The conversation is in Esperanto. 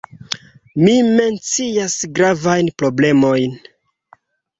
Mi mencias gravajn problemojn.